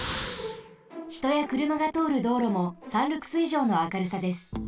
ひとやくるまがとおるどうろも３ルクスいじょうの明るさです。